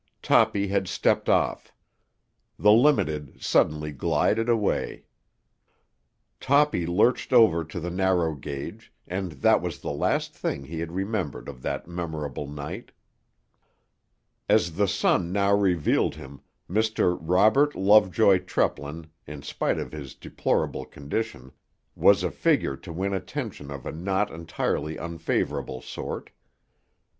Toppy had stepped off. The Limited suddenly glided away. Toppy lurched over to the narrow gauge, and that was the last thing he had remembered of that memorable night. As the sun now revealed him, Mr. Robert Lovejoy Treplin, in spite of his deplorable condition, was a figure to win attention of a not entirely unfavourable sort.